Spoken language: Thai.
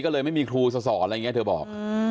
ก็เลยไม่มีครูจะสอนอะไรอย่างนี้เธอบอก